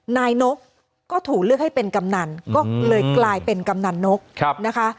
นายนกก็ถูกเลือกให้เป็นกำนันก็เลยกลายเป็นกำนันนกนะคะ